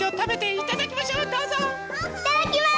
いただきます！